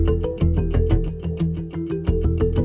ไม่มีทางที่หรอ